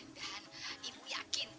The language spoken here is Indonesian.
dan ibu yakin